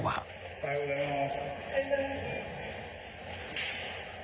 おはようございます。